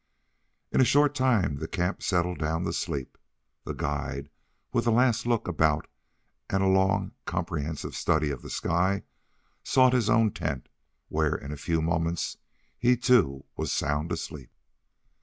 In a short time the camp settled down to sleep. The guide, with a last look about and a long, comprehensive study of the sky, sought his own tent, where in a few moments he, too, was sound asleep.